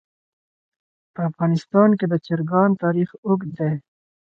په افغانستان کې د چرګان تاریخ اوږد دی.